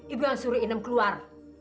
ibu yang suruh inem keluar